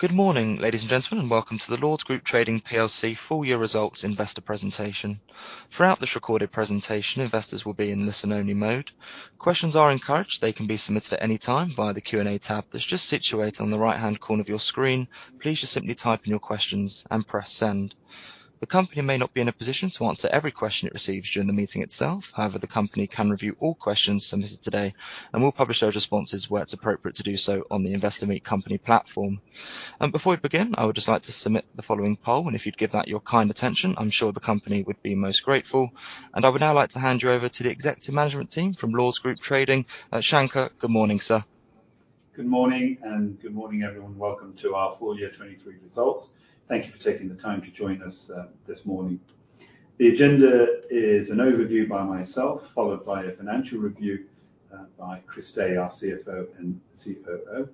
Good morning, ladies and gentlemen, and welcome to the Lords Group Trading PLC Full-Year Results Investor Presentation. Throughout this recorded presentation, investors will be in listen-only mode. Questions are encouraged. They can be submitted at any time via the Q&A tab that's just situated on the right-hand corner of your screen. Please just simply type in your questions and press send. The company may not be in a position to answer every question it receives during the meeting itself; however, the company can review all questions submitted today, and we'll publish those responses where it's appropriate to do so on the Investor Meet Company platform. And before we begin, I would just like to submit the following poll, and if you'd give that your kind attention, I'm sure the company would be most grateful. I would now like to hand you over to the executive management team from Lords Group Trading. Shanker, good morning, sir. Good morning, and good morning, everyone. Welcome to our full-year 2023 results. Thank you for taking the time to join us, this morning. The agenda is an overview by myself, followed by a financial review, by Chris Day, our CFO and COO.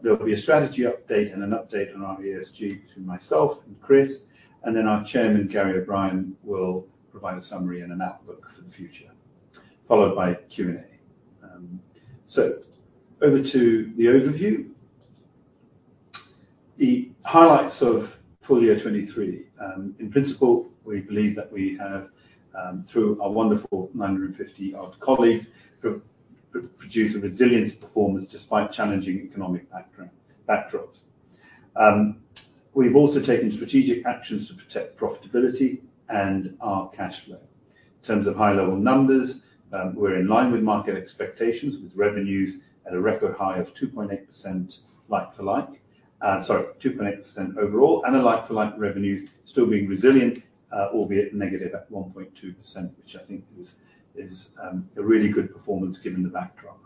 There'll be a strategy update and an update on our ESG between myself and Chris, and then our chairman, Gary O'Brien, will provide a summary and an outlook for the future, followed by Q&A. So over to the overview. The highlights of full-year 2023: In principle, we believe that we have, through our wonderful 950-odd colleagues, produced a resilient performance despite challenging economic backdrops. We've also taken strategic actions to protect profitability and our cash flow. In terms of high-level numbers, we're in line with market expectations, with revenues at a record high of 2.8% like-for-like—sorry, 2.8% overall—and a like-for-like revenue, still being resilient, albeit negative at 1.2%, which I think is a really good performance given the backdrop.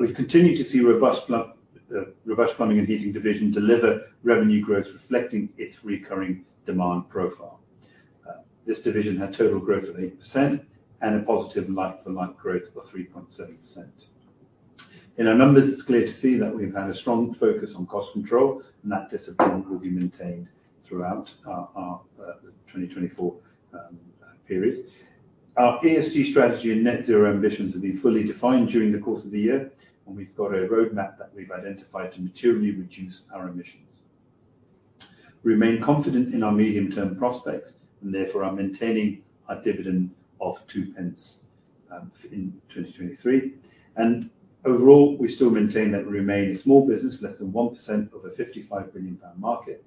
We've continued to see robust plumbing and heating division deliver revenue growth reflecting its recurring demand profile. This division had total growth of 8% and a positive like-for-like growth of 3.7%. In our numbers, it's clear to see that we've had a strong focus on cost control, and that discipline will be maintained throughout our 2024 period. Our ESG strategy and net-zero ambitions have been fully defined during the course of the year, and we've got a roadmap that we've identified to materially reduce our emissions. We remain confident in our medium-term prospects, and therefore are maintaining our dividend of 0.02 for 2023. Overall, we still maintain that we remain a small business, less than 1% of a 55 billion pound market,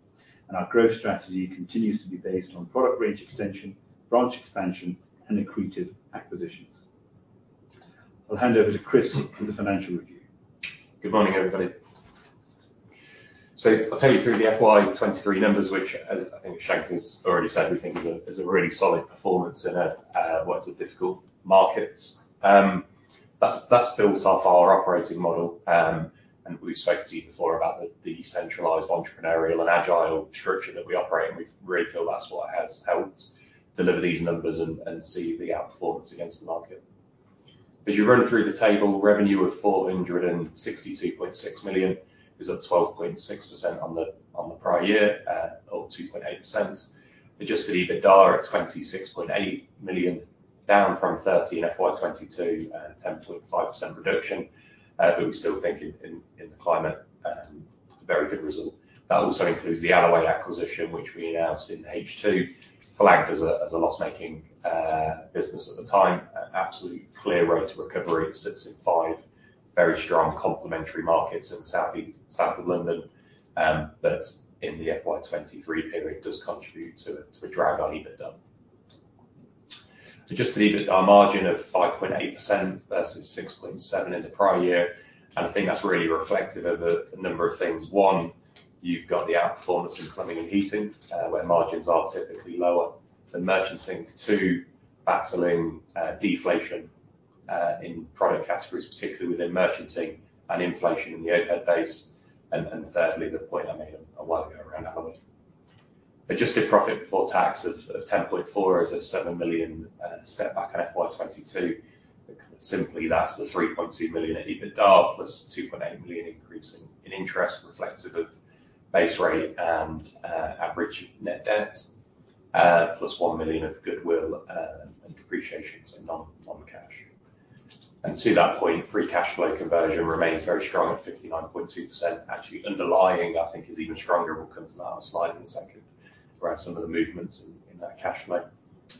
and our growth strategy continues to be based on product range extension, branch expansion, and accretive acquisitions. I'll hand over to Chris for the financial review. Good morning, everybody. So I'll tell you through the FY 2023 numbers, which, as I think Shanker's already said, we think is a really solid performance in what is a difficult market. That's built off our operating model, and we've spoken to you before about the centralized entrepreneurial and agile structure that we operate, and we really feel that's what has helped deliver these numbers and see the outperformance against the market. As you run through the table, revenue of 462.6 million is up 12.6% on the prior year, or 2.8%. Adjusted EBITDA at 26.8 million, down from 30 million in FY 2022 and 10.5% reduction, but we still think in the climate, a very good result. That also includes the Alloway acquisition, which we announced in H2, flagged as a loss-making business at the time. Absolutely clear rate of recovery sits in five very strong complementary markets in the south, south of London, but in the FY 2023 period does contribute to a drag on EBITDA. Adjusted EBITDA margin of 5.8% versus 6.7% in the prior year, and I think that's really reflective of a number of things. One, you've got the outperformance in plumbing and heating, where margins are typically lower than merchanting. Two, battling deflation in product categories, particularly within merchanting, and inflation in the overhead base. And thirdly, the point I made a while ago around Alloway. Adjusted profit before tax of 10.4 million is a 7 million step back on FY 2022. Simply, that's the 3.2 million of EBITDA plus 2.8 million increase in interest, reflective of base rate and average net debt, plus 1 million of goodwill and depreciations, so non-cash. To that point, free cash flow conversion remains very strong at 59.2%. Actually, underlying, I think, is even stronger when we come to that on the slide in a second, around some of the movements in that cash flow.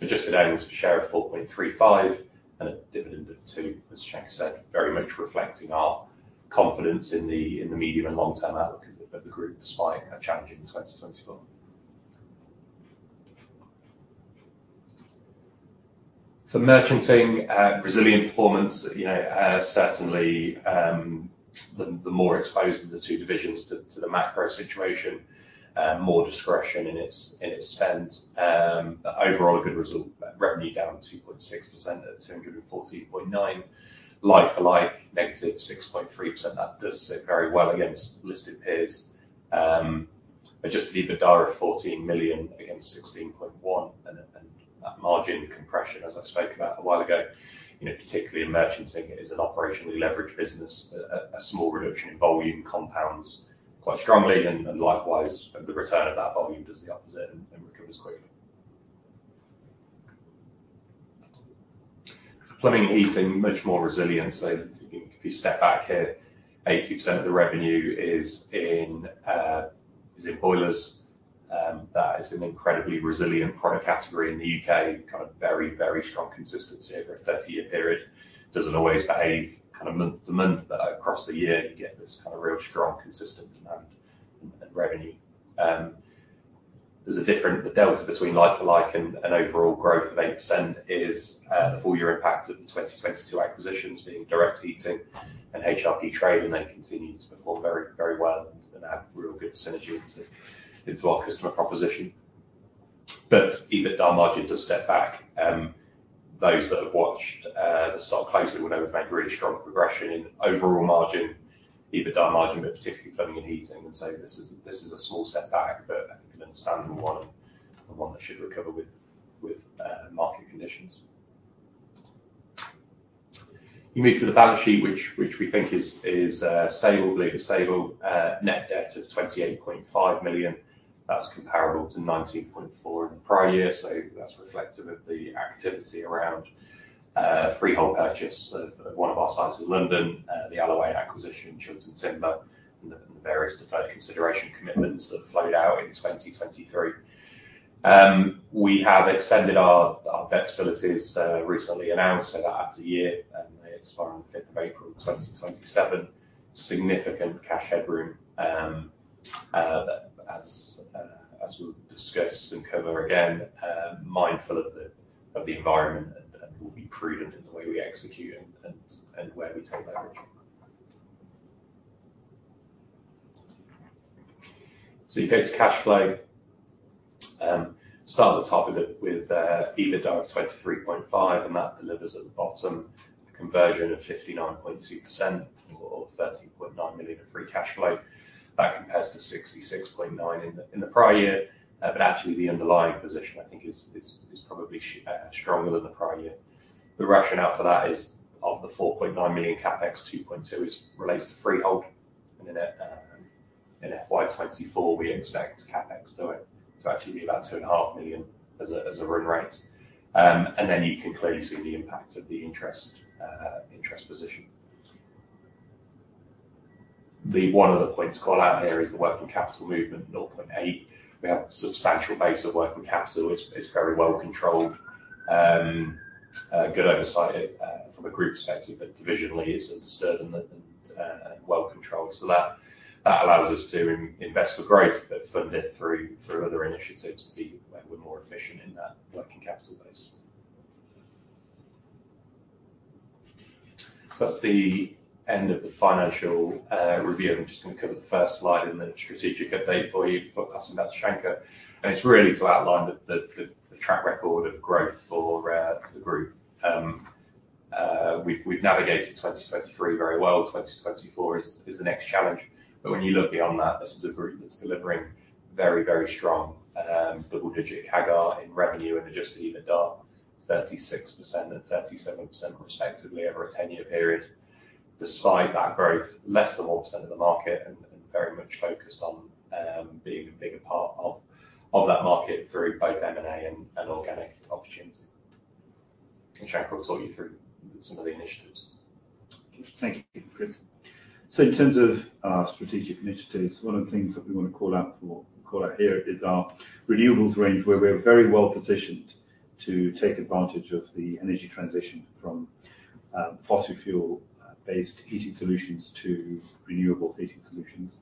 Adjusted earnings per share of 4.35p and a dividend of 2p, as Shanker said, very much reflecting our confidence in the medium and long-term outlook of the group despite a challenging 2024. For merchanting, resilient performance, you know, certainly the more exposed the two divisions to the macro situation, more discretion in its spend. But overall, a good result, revenue down 2.6% at 248.9. Like-for-like negative 6.3%. That does sit very well against listed peers. Adjusted EBITDA of 14 million against 16.1%, and that margin compression, as I spoke about a while ago, you know, particularly in merchanting, it is an operationally leveraged business. A small reduction in volume compounds quite strongly, and likewise, the return of that volume does the opposite and recovers quickly. For plumbing and heating, much more resilient. So if you step back here, 80% of the revenue is in boilers. That is an incredibly resilient product category in the U.K., kind of very, very strong consistency over a 30-year period. Doesn't always behave kind of month to month, but across the year, you get this kind of real strong, consistent demand and revenue. There's the difference, the delta between like-for-like and overall growth of 8% is the full-year impact of the 2022 acquisitions, being Direct Heating and HRP Trade, and they continue to perform very, very well and add real good synergy into our customer proposition. But EBITDA margin does step back. Those that have watched the stock closely will know we've made really strong progression in overall margin, EBITDA margin, but particularly plumbing and heating. And so this is a small step back, but I think an understandable one and one that should recover with market conditions. You move to the balance sheet, which we think is stable. Believe it's stable. Net debt of 28.5 million. That's comparable to 19.4% in the prior year, so that's reflective of the activity around freehold purchase of one of our sites in London, the Alloway acquisition, Chilton Timber, and the various deferred consideration commitments that flowed out in 2023. We have extended our debt facilities, recently announced, so that adds a year, and they expire on the 5th of April, 2027. Significant cash headroom, as we'll discuss and cover again, mindful of the environment and we'll be prudent in the way we execute and where we take leverage. So you go to cash flow. Start at the top with the EBITDA of 23.5%, and that delivers at the bottom a conversion of 59.2% or 13.9 million of free cash flow. That compares to 66.9% in the prior year, but actually, the underlying position, I think, is probably stronger than the prior year. The rationale for that is of the 4.9 million CapEx, 2.2% relates to freehold, and in FY 2024, we expect CapEx to actually be about 2.5 million as a run rate. Then you can clearly see the impact of the interest position. The one other point to call out here is the working capital movement, 0.8%. We have a substantial base of working capital. It's very well controlled. Good oversight from a group perspective, but divisionally, it's undisturbed and well controlled. So that allows us to invest for growth, but fund it through other initiatives to be where we're more efficient in that working capital base. So that's the end of the financial review. I'm just going to cover the first slide and the strategic update for you before passing back to Shanker. And it's really to outline the track record of growth for the group. We've navigated 2023 very well. 2024 is the next challenge. But when you look beyond that, this is a group that's delivering very, very strong double-digit CAGR in revenue and adjusted EBITDA, 36% and 37% respectively over a 10-year period. Despite that growth, less than 1% of the market and very much focused on being a bigger part of that market through both M&A and organic opportunity. And Shanker will talk you through some of the initiatives. Thank you, Chris. So in terms of strategic initiatives, one of the things that we want to call out here is our renewables range, where we're very well positioned to take advantage of the energy transition from fossil fuel-based heating solutions to renewable heating solutions.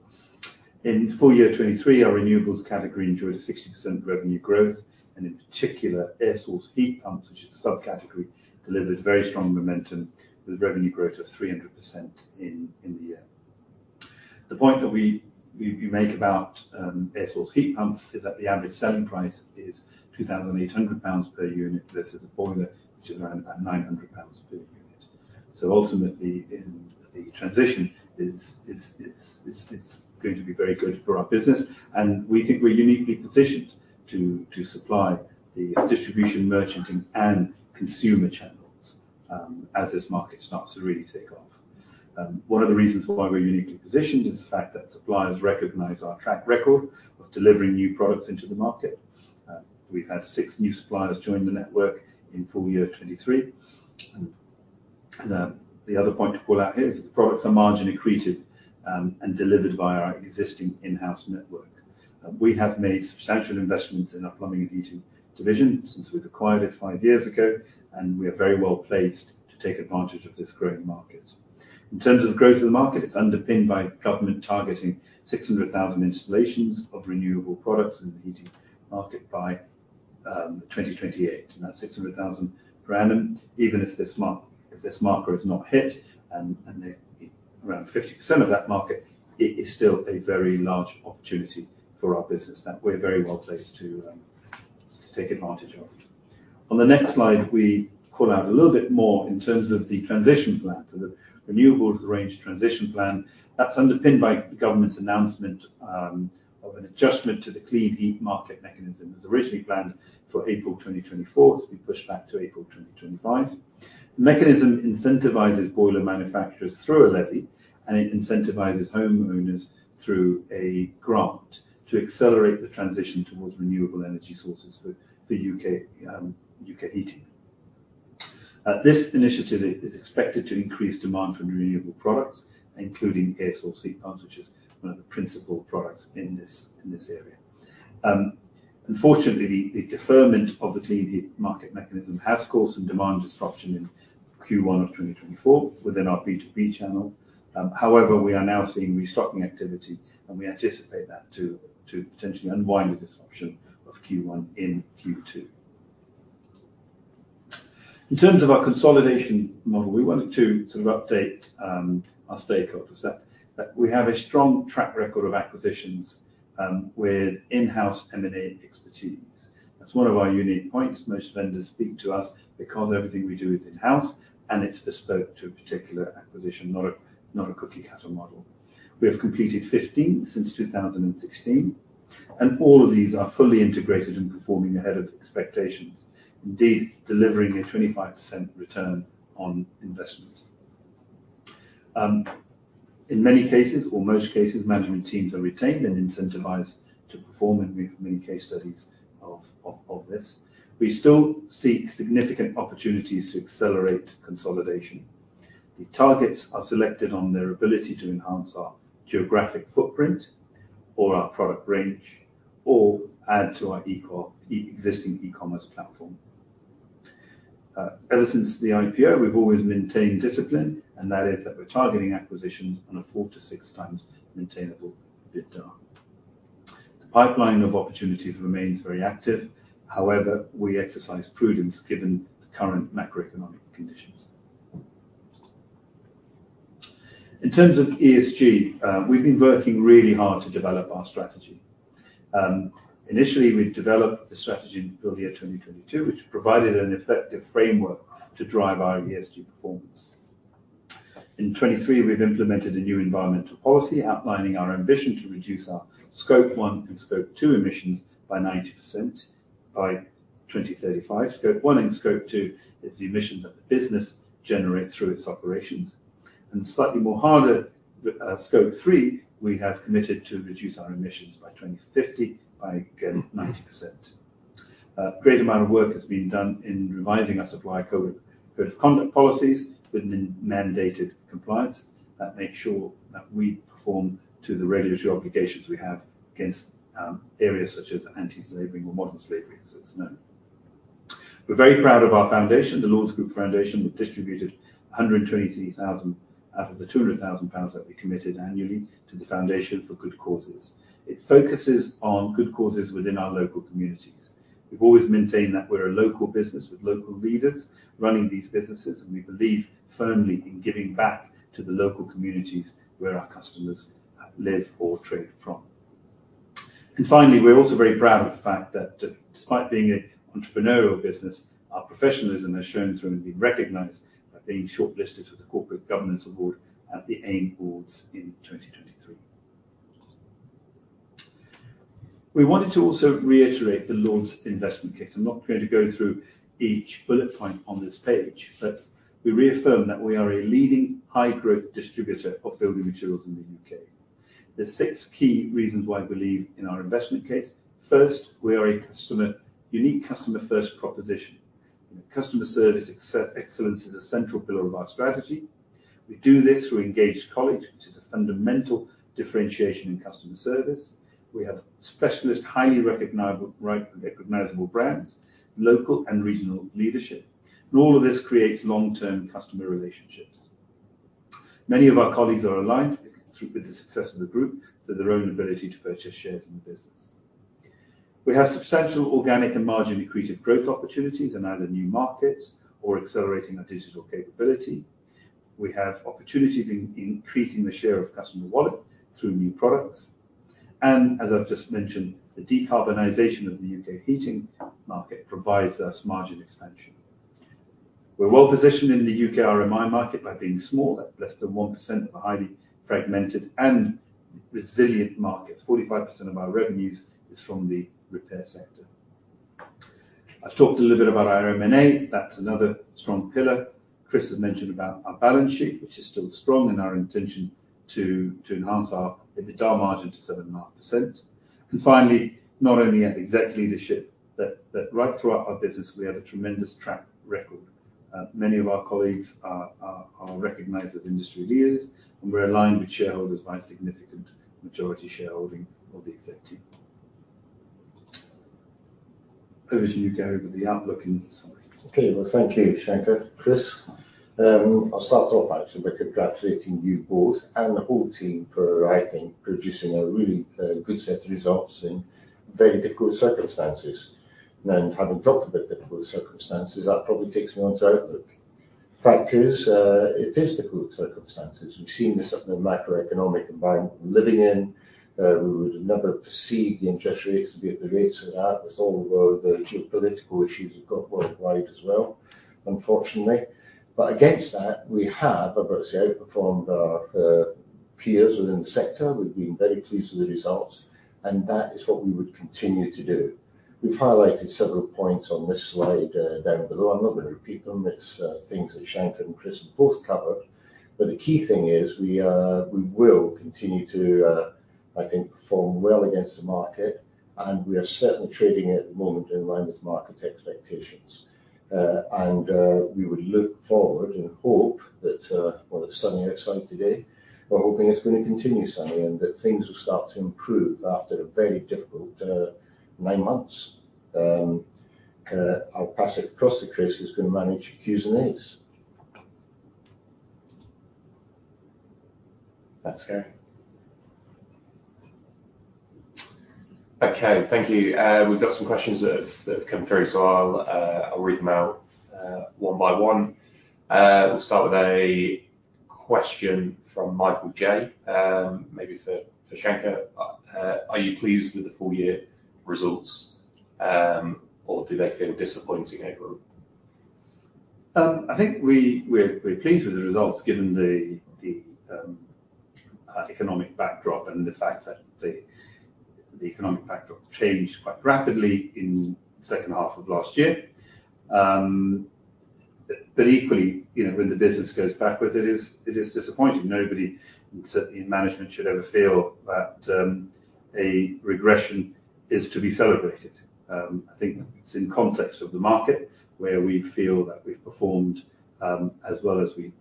In full-year 2023, our renewables category enjoyed a 60% revenue growth, and in particular, air-source heat pumps, which is a subcategory, delivered very strong momentum with revenue growth of 300% in the year. The point that we make about air-source heat pumps is that the average selling price is 2,800 pounds per unit versus a boiler, which is around about 900 pounds per unit. So ultimately, in the transition, it's going to be very good for our business, and we think we're uniquely positioned to supply the distribution, merchanting, and consumer channels, as this market starts to really take off. One of the reasons why we're uniquely positioned is the fact that suppliers recognize our track record of delivering new products into the market. We've had six new suppliers join the network in full-year 2023. And the other point to call out here is that the products are margin-accretive, and delivered via our existing in-house network. We have made substantial investments in our plumbing and heating division since we've acquired it five years ago, and we are very well placed to take advantage of this growing market. In terms of growth of the market, it's underpinned by government targeting 600,000 installations of renewable products in the heating market by 2028. That's 600,000 per annum, even if this target is not hit and they around 50% of that market, it is still a very large opportunity for our business that we're very well placed to take advantage of. On the next slide, we call out a little bit more in terms of the transition plan. The renewables range transition plan, that's underpinned by the government's announcement of an adjustment to the Clean Heat Market Mechanism. It was originally planned for April 2024, so we pushed back to April 2025. The mechanism incentivizes boiler manufacturers through a levy, and it incentivizes homeowners through a grant to accelerate the transition towards renewable energy sources for U.K. heating. This initiative is expected to increase demand for renewable products, including air-source heat pumps, which is one of the principal products in this area. Unfortunately, the deferment of the Clean Heat Market Mechanism has caused some demand disruption in Q1 of 2024 within our B2B channel. However, we are now seeing restocking activity, and we anticipate that to potentially unwind the disruption of Q1 in Q2. In terms of our consolidation model, we wanted to sort of update our stakeholders that we have a strong track record of acquisitions, with in-house M&A expertise. That's one of our unique points. Most vendors speak to us because everything we do is in-house, and it's bespoke to a particular acquisition, not a cookie-cutter model. We have completed 15 since 2016, and all of these are fully integrated and performing ahead of expectations, indeed delivering a 25% return on investment. In many cases or most cases, management teams are retained and incentivized to perform, and we have many case studies of this. We still seek significant opportunities to accelerate consolidation. The targets are selected on their ability to enhance our geographic footprint or our product range or add to our existing e-commerce platform. Ever since the IPO, we've always maintained discipline, and that is that we're targeting acquisitions on a 4-6x maintainable EBITDA. The pipeline of opportunities remains very active. However, we exercise prudence given the current macroeconomic conditions. In terms of ESG, we've been working really hard to develop our strategy. Initially, we developed the strategy in full-year 2022, which provided an effective framework to drive our ESG performance. In 2023, we've implemented a new environmental policy outlining our ambition to reduce our Scope 1 and Scope 2 emissions by 90% by 2035. Scope 1 and Scope 2 is the emissions that the business generates through its operations. And slightly more harder, Scope 3, we have committed to reduce our emissions by 2050 by, again, 90%. A great amount of work has been done in revising our supplier code of conduct policies with mandated compliance that make sure that we perform to the regulatory obligations we have against areas such as anti-slavery or modern slavery, as it's known. We're very proud of our foundation, the Lords Group Foundation. We've distributed 123,000 out of the 200,000 pounds that we committed annually to the foundation for good causes. It focuses on good causes within our local communities. We've always maintained that we're a local business with local leaders running these businesses, and we believe firmly in giving back to the local communities where our customers live or trade from. Finally, we're also very proud of the fact that, despite being an entrepreneurial business, our professionalism has shown through and been recognized by being shortlisted for the Corporate Governance Award at the AIM Awards in 2023. We wanted to also reiterate the Lords' investment case. I'm not going to go through each bullet point on this page, but we reaffirm that we are a leading high-growth distributor of building materials in the UK. There's six key reasons why we believe in our investment case. First, we are a customer unique customer-first proposition. You know, customer service excellence is a central pillar of our strategy. We do this through engaged colleagues, which is a fundamental differentiation in customer service. We have specialist, highly recognizable brands, local and regional leadership, and all of this creates long-term customer relationships. Many of our colleagues are aligned with the success of the group through their own ability to purchase shares in the business. We have substantial organic and margin-accretive growth opportunities in either new markets or accelerating our digital capability. We have opportunities in increasing the share of customer wallet through new products. And as I've just mentioned, the decarbonization of the UK heating market provides us margin expansion. We're well positioned in the UK RMI market by being small at less than 1% of a highly fragmented and resilient market. 45% of our revenues is from the repair sector. I've talked a little bit about our RMI. That's another strong pillar. Chris has mentioned about our balance sheet, which is still strong, and our intention to enhance our EBITDA margin to 7.5%. And finally, not only at exec leadership, but right throughout our business, we have a tremendous track record. Many of our colleagues are recognized as industry leaders, and we're aligned with shareholders by a significant majority shareholding of the exec team. Over to you, Gary, with the outlook and summary. Okay. Well, thank you, Shanker. Chris, I'll start off, actually, by congratulating you both and the whole team for a rising, producing a really good set of results in very difficult circumstances. Now, having talked about difficult circumstances, that probably takes me on to outlook. The fact is, it is difficult circumstances. We've seen this at the macroeconomic environment we're living in. We would never have perceived the interest rates to be at the rates they are with all the geopolitical issues we've got worldwide as well, unfortunately. But against that, we have obviously outperformed our peers within the sector. We've been very pleased with the results, and that is what we would continue to do. We've highlighted several points on this slide, down below. I'm not going to repeat them. It's things that Shanker and Chris have both covered. But the key thing is we will continue to, I think, perform well against the market, and we are certainly trading at the moment in line with market expectations. We would look forward and hope that, well, it's sunny outside today. We're hoping it's going to continue sunny and that things will start to improve after a very difficult nine months. I'll pass it across to Chris, who's going to manage Q&As. Thanks, Gary. Okay. Thank you. We've got some questions that have come through, so I'll read them out, one by one. We'll start with a question from Michael Jay, maybe for Shanker. Are you pleased with the full-year results, or do they feel disappointing overall? I think we're pleased with the results given the economic backdrop and the fact that the economic backdrop changed quite rapidly in the second half of last year. But equally, you know, when the business goes backwards, it is disappointing. Nobody, certainly in management, should ever feel that a regression is to be celebrated. I think it's in context of the market where we feel that we've performed as well as we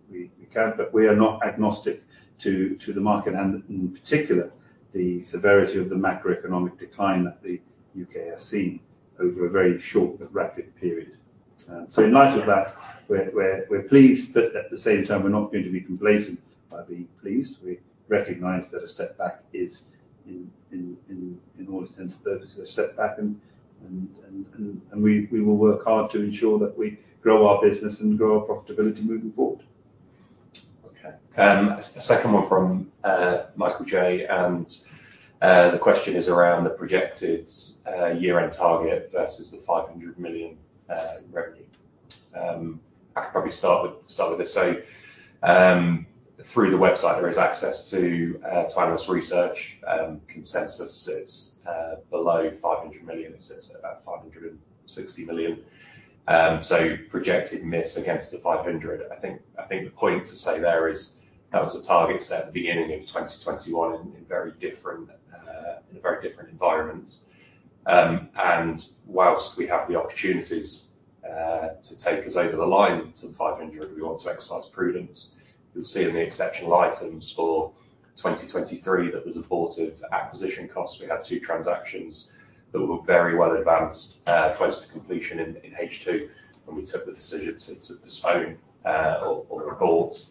can. But we are not agnostic to the market and, in particular, the severity of the macroeconomic decline that the U.K. has seen over a very short but rapid period. So in light of that, we're pleased, but at the same time, we're not going to be complacent by being pleased. We recognize that a step back is in all intents and purposes a step back and we will work hard to ensure that we grow our business and grow our profitability moving forward. Okay. As a second one from Michael Jay, and the question is around the projected year-end target versus the 500 million revenue. I could probably start with this. So, through the website, there is access to the latest research consensus. It's below 500 million. It sits at about 560 million. So projected miss against the 500 million. I think the point to say there is that was a target set at the beginning of 2021 in a very different environment. And while we have the opportunities to take us over the line to the 500 million, we want to exercise prudence. You'll see in the exceptional items for 2023 that there's a bout of acquisition costs. We had 2 transactions that were very well advanced, close to completion in H2, and we took the decision to postpone or halt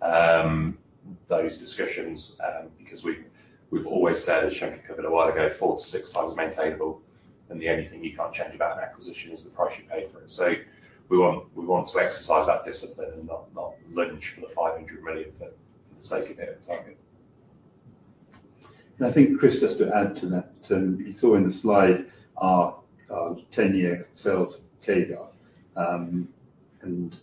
those discussions, because we've always said, as Shanker covered a while ago, 4-6 times maintainable, and the only thing you can't change about an acquisition is the price you pay for it. So we want to exercise that discipline and not lurch for the 500 million for the sake of it at target. I think Chris, just to add to that, you saw in the slide our 10-year sales CAGR, and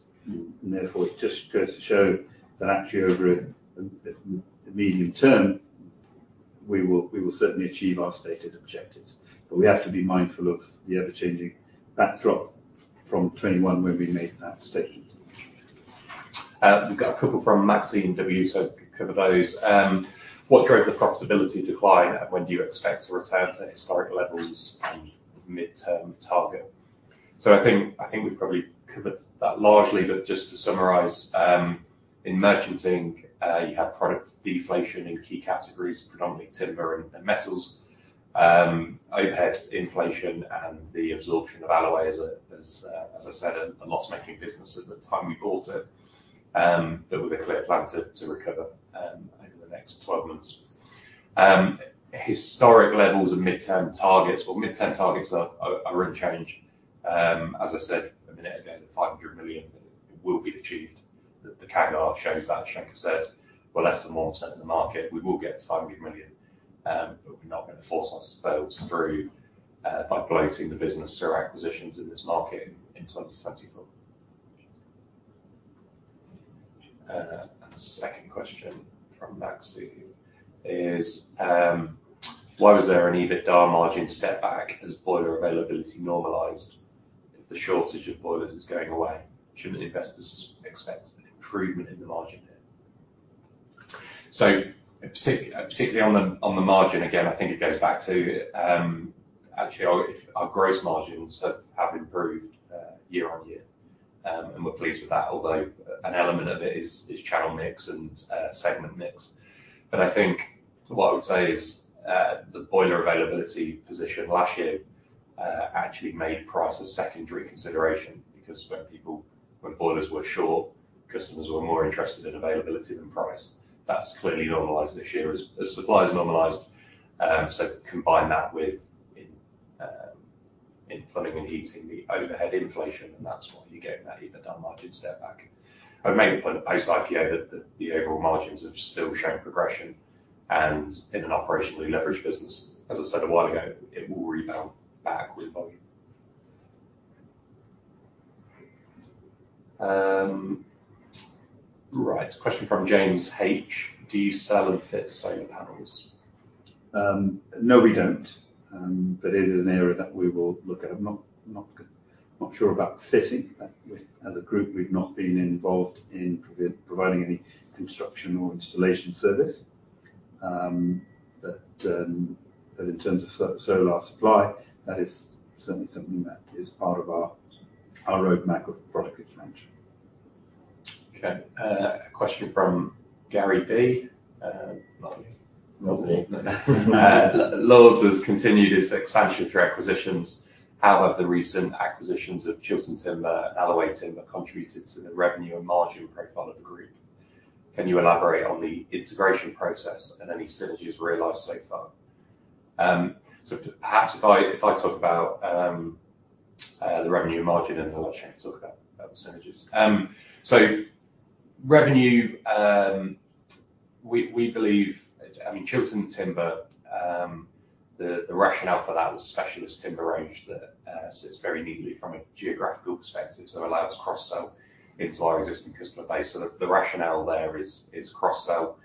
therefore, it just goes to show that actually over a medium term, we will certainly achieve our stated objectives. But we have to be mindful of the ever-changing backdrop from 2021 when we made that statement. We've got a couple from Maxime W, so cover those. What drove the profitability decline, and when do you expect to return to historic levels and mid-term target? So I think we've probably covered that largely, but just to summarize, in merchanting, you have product deflation in key categories, predominantly timber and metals, overhead inflation, and the absorption of Alloway as a loss-making business at the time we bought it, as I said, but with a clear plan to recover over the next 12 months. Historic levels and mid-term targets. Well, mid-term targets are unchanged. As I said a minute ago, the 500 million, it will be achieved. The KDR shows that, as Shanker said. We're less than 1% of the market. We will get to 500 million, but we're not going to force ourselves through by bloating the business through acquisitions in this market in 2024. And the second question from Maxime is, why was there an EBITDA margin step back as boiler availability normalized if the shortage of boilers is going away? Shouldn't investors expect improvement in the margin here? So particularly on the margin, again, I think it goes back to, actually, our if our gross margins have improved year-on-year, and we're pleased with that, although an element of it is channel mix and segment mix. But I think what I would say is, the boiler availability position last year actually made price a secondary consideration because when people when boilers were short, customers were more interested in availability than price. That's clearly normalized this year as supply's normalized. So combine that with in plumbing and heating, the overhead inflation, and that's why you're getting that EBITDA margin step back. I've made the point at post-IPO that the overall margins have still shown progression, and in an operationally leveraged business, as I said a while ago, it will rebound back with volume. Right. Question from James H. Do you sell and fit solar panels? No, we don't. But it is an area that we will look at. I'm not sure about fitting, but as a group, we've not been involved in providing any construction or installation service. But in terms of solar supply, that is certainly something that is part of our roadmap of product expansion. Okay. A question from Gary B. Lovely. Lovely. Lords has continued its expansion through acquisitions. How have the recent acquisitions of Chilton Timber and Alloway Timber contributed to the revenue and margin profile of the group? Can you elaborate on the integration process and any synergies realized so far? So perhaps if I talk about the revenue and margin, and then I'll let Shanker talk about the synergies. So revenue, we believe I mean, Chilton Timber, the rationale for that was specialist timber range that sits very neatly from a geographical perspective, so it allows cross-sell into our existing customer base. So the rationale there is cross-sell.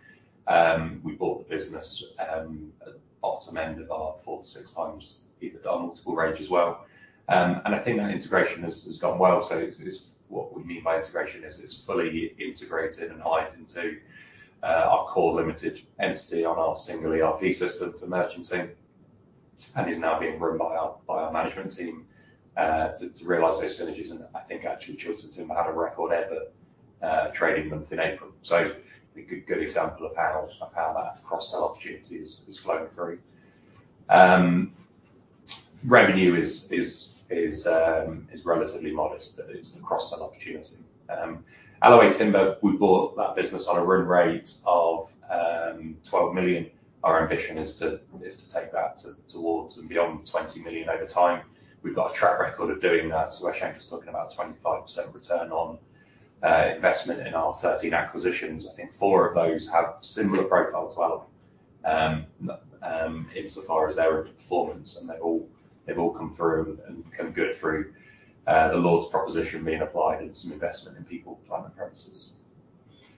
We bought the business at the bottom end of our 4-6x EBITDA multiple range as well. I think that integration has gone well. So it's what we mean by integration is it's fully integrated and hived into our core limited entity on our single ERP system for merchanting and is now being run by our management team to realize those synergies. And I think actually Chilton Timber had a record-ever trading month in April. So a good example of how that cross-sell opportunity is flowing through. Revenue is relatively modest, but it's the cross-sell opportunity. Alloway Timber, we bought that business on a run rate of 12 million. Our ambition is to take that towards and beyond 20 million over time. We've got a track record of doing that. So where Shanker's talking about 25% return on investment in our 13 acquisitions, I think four of those have similar profiles to Alloway. Insofar as their performance, they've all come through and come good through the Lords proposition being applied and some investment in people, climate, premises.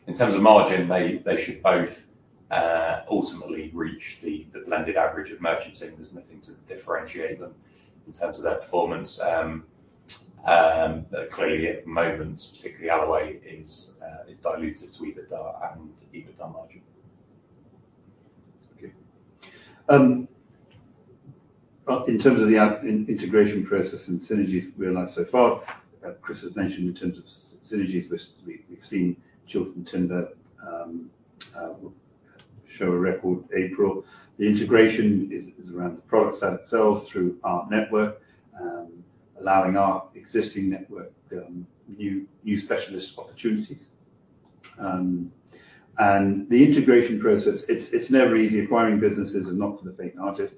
In terms of margin, they should both ultimately reach the blended average of merchanting. There's nothing to differentiate them in terms of their performance. But clearly at the moment, particularly Alloway, is diluted to EBITDA and EBITDA margin. Okay. In terms of the integration process and synergies realized so far, Chris has mentioned in terms of synergies, we've seen Chilton Timber show a record April. The integration is around the product side itself through our network, allowing our existing network new specialist opportunities. And the integration process, it's never easy. Acquiring businesses is not for the faint-hearted.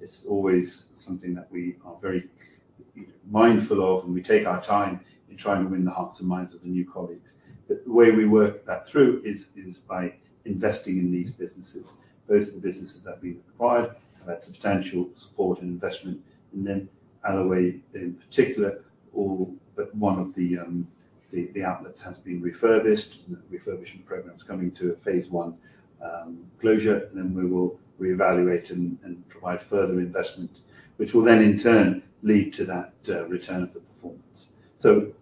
It's always something that we are very, you know, mindful of, and we take our time in trying to win the hearts and minds of the new colleagues. But the way we work that through is by investing in these businesses. Both the businesses that have been acquired have had substantial support and investment. And then Alloway, in particular, all but one of the outlets has been refurbished, and the refurbishment program's coming to a phase one closure, and then we will reevaluate and provide further investment, which will then in turn lead to that return of the performance. So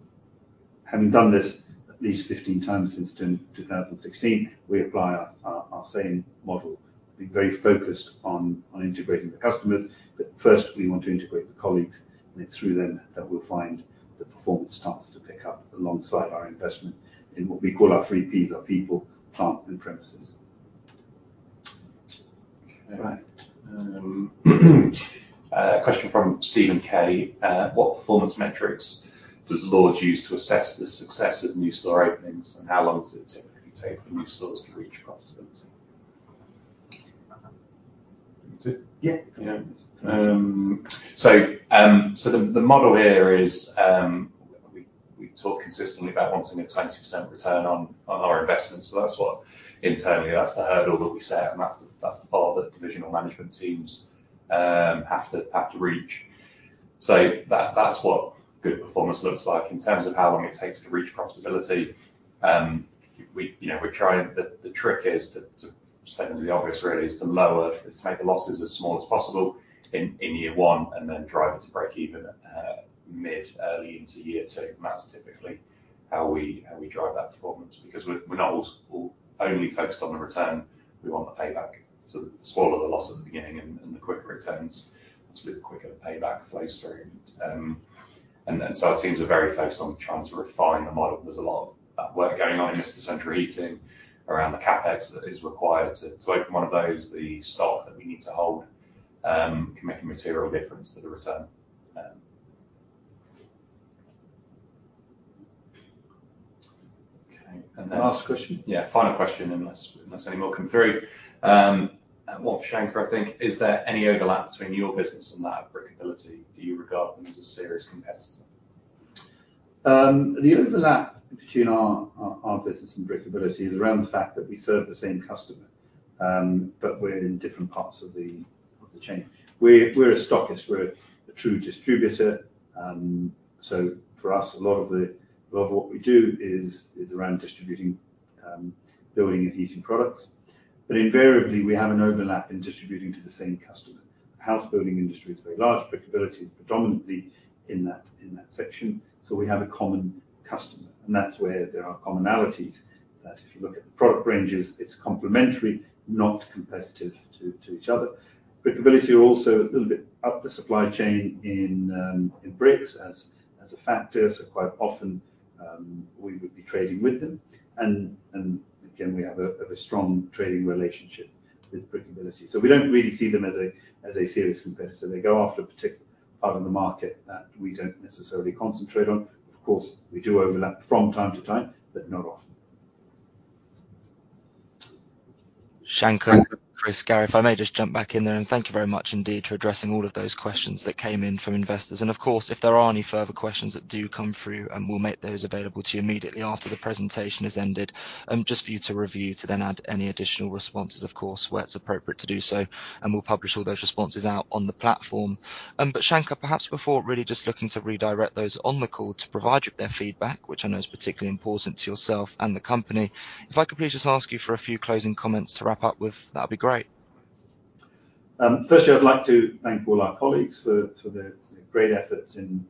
having done this at least 15 times since 2016, we apply our same model, being very focused on integrating the customers. But first, we want to integrate the colleagues, and it's through them that we'll find the performance starts to pick up alongside our investment in what we call our three P's, our people, plant, and premises. Okay. Right. Question from Stephen K. What performance metrics does Lords use to assess the success of new store openings, and how long does it typically take for new stores to reach profitability? Yeah. Yeah. So, the model here is, we talk consistently about wanting a 20% return on our investments. So that's what internally, that's the hurdle that we set, and that's the bar that divisional management teams have to reach. So that's what good performance looks like in terms of how long it takes to reach profitability. We, you know, we're trying. The trick is to say the obvious, really, is to make the losses as small as possible in year one and then drive it to break even, early into year two. And that's typically how we drive that performance because we're not only focused on the return. We want the payback. So the smaller the loss at the beginning and the quicker returns, obviously, the quicker the payback flows through. and so our teams are very focused on trying to refine the model. There's a lot of that work going on in Mr. Central Heating around the CapEx that is required to open one of those. The stock that we need to hold can make a material difference to the return. Okay. And then. Last question? Yeah. Final question unless any more come through. One for Shanker, I think. Is there any overlap between your business and that of Brickability? Do you regard them as a serious competitor? The overlap between our business and Brickability is around the fact that we serve the same customer, but we're in different parts of the chain. We're a stockist. We're a true distributor. So for us, a lot of what we do is around distributing building and heating products. But invariably, we have an overlap in distributing to the same customer. The house building industry is very large. Brickability is predominantly in that section. So we have a common customer, and that's where there are commonalities that if you look at the product ranges, it's complementary, not competitive to each other. Brickability are also a little bit up the supply chain in bricks as a factor. So quite often, we would be trading with them. And again, we have a strong trading relationship with Brickability. So we don't really see them as a serious competitor. They go after a particular part of the market that we don't necessarily concentrate on. Of course, we do overlap from time to time, but not often. Shanker, Chris, Gary, if I may just jump back in there. And thank you very much indeed for addressing all of those questions that came in from investors. And of course, if there are any further questions that do come through, we'll make those available to you immediately after the presentation has ended, just for you to review to then add any additional responses, of course, where it's appropriate to do so. And we'll publish all those responses out on the platform. But Shanker, perhaps before really just looking to redirect those on the call to provide you with their feedback, which I know is particularly important to yourself and the company, if I could please just ask you for a few closing comments to wrap up with, that'd be great. Firstly, I'd like to thank all our colleagues for their great efforts in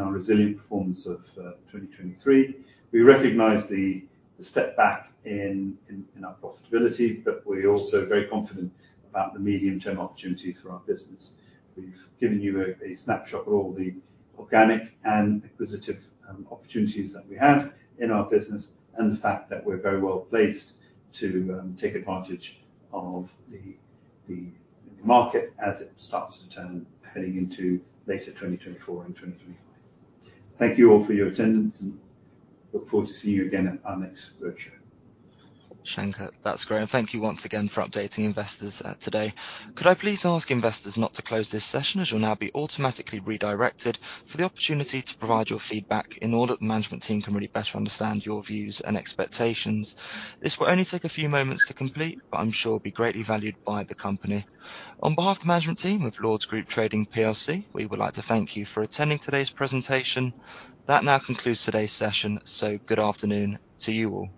our resilient performance of 2023. We recognize the step back in our profitability, but we're also very confident about the medium-term opportunities for our business. We've given you a snapshot of all the organic and acquisitive opportunities that we have in our business and the fact that we're very well placed to take advantage of the market as it starts to turn heading into later 2024 and 2025. Thank you all for your attendance, and look forward to seeing you again at our next roadshow. Shanker, that's great. Thank you once again for updating investors, today. Could I please ask investors not to close this session as you'll now be automatically redirected for the opportunity to provide your feedback in order that the management team can really better understand your views and expectations? This will only take a few moments to complete, but I'm sure it'll be greatly valued by the company. On behalf of the management team of Lords Group Trading PLC, we would like to thank you for attending today's presentation. That now concludes today's session. Good afternoon to you all.